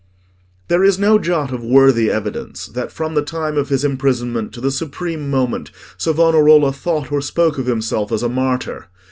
There is no jot of worthy evidence that from the time of his imprisonment to the supreme moment, Savonarola thought or spoke of himself as a martyr.